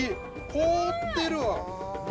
凍ってるわ。